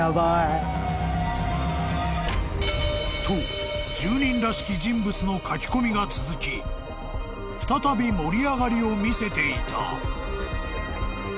［と住人らしき人物の書き込みが続き再び盛り上がりをみせていた］